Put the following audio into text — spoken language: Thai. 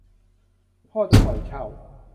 พ่อจะปล่อยเช่า